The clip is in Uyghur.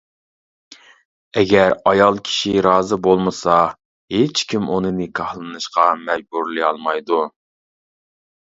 ئەگەر ئايال كىشى رازى بولمىسا ھېچكىم ئۇنى نىكاھلىنىشقا مەجبۇرلىيالمايدۇ.